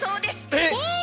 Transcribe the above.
⁉え